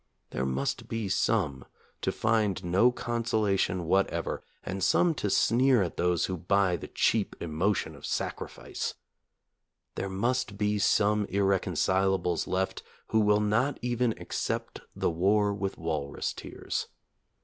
There must be some to find no consolation whatever, and some to sneer at those who buy the cheap emotion of sacrifice. There must be some irreconcilables left who will not even accept the war with walrus tears.